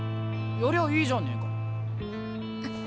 やりゃあいいじゃねえか。